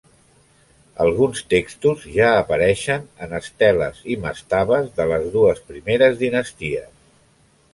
Alguns textos ja apareixen en esteles i mastabes de les dues primeres dinasties.